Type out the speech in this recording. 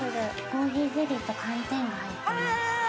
コーヒーゼリーと寒天が入ってます。